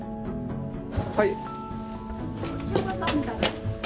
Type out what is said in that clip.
はい。